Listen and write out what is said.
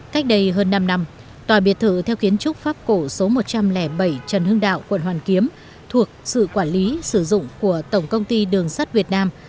cách đây hơn năm năm tòa biệt thự theo kiến trúc pháp cổ số một trăm linh bảy trần hưng đạo quận hoàn kiếm thuộc sự quản lý sử dụng của tổng công ty đường sắt việt nam